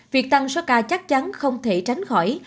việc tăng số ca chắc chắn không thể tránh khỏi